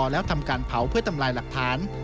แล้วทำการเผาเพื่อทำลายหลักฐาน